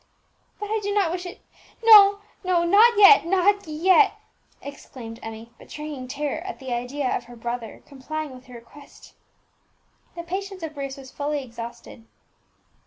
"But I do not wish it, no, no, not yet, not yet!" exclaimed Emmie, betraying terror at the idea of her brother complying with her request. The patience of Bruce was fairly exhausted.